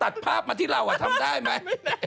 ตัดภาพมาที่เราทำได้ไหม